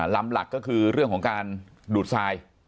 หลักก็คือเรื่องของการดูดทราย